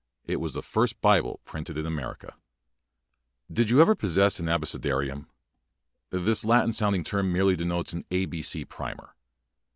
It was the first Bible printed in Amer ica. Did you ever possess an abece darium? This Latin sounding term merely denotes an A B C primer.